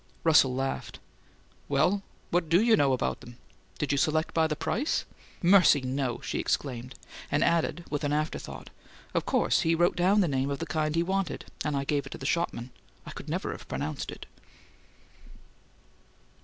Russell laughed. "Well, what DO you know about 'em? Did you select by the price?" "Mercy, no!" she exclaimed, and added, with an afterthought, "Of course he wrote down the name of the kind he wanted and I gave it to the shopman. I could never have pronounced it."